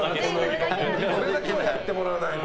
これだけはやってもらわないと。